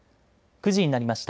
９時になりました。